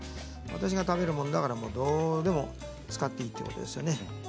私が食べるものだからもうどうでも使っていいということですよね。